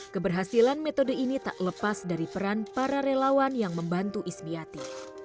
keberhasilan metode ini tak lepas dari peran para relawan yang membantu ismiati